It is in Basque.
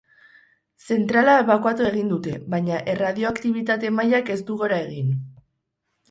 Zentrala ebakuatu egin dute, baina erradioaktibitate mailak ez du gora egin.